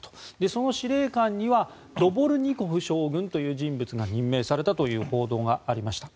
その司令官にはドボルニコフ将軍という人物が任命されたという報道がありました。